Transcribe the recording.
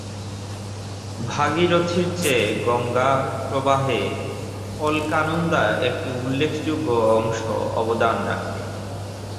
ভাগীরথীর চেয়ে গঙ্গার প্রবাহে অলকানন্দা একটি উল্লেখযোগ্য অংশ অবদান রাখে।